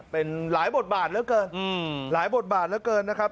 เป็นหลายบทบาทเหลือเกินหลายบทบาทเหลือเกินนะครับ